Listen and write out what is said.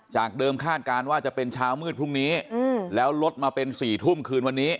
จากเดิมคาดการณ์ว่าจะเป็นเช้ามืดพรุ่งนี้แล้วลดมาเป็น๔ทุ่มคืนวันนี้